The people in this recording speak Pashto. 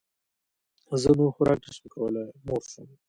زه نور خوراک نه شم کولی موړ شوم